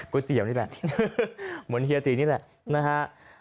เตี๋ยวนี่แหละเหมือนเฮียตีนี่แหละนะฮะ